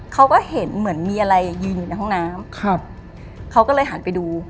เขาก็เห็นเหมือนมีอะไรยืนอยู่ในห้องน้ำครับเขาก็เลยหันไปดู